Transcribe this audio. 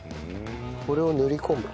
これを塗り込む。